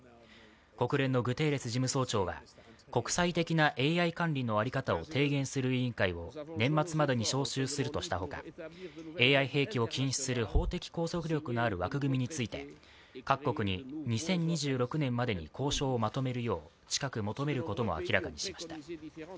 国連のグテーレス事務総長は国際的なＡＩ管理の在り方を提言する委員会を年末までに招集するとしたほか、ＡＩ兵器を禁止する法的拘束力のある枠組みについて、各国に２０２６年までに交渉をまとめるよう近く求めることも明らかにしました。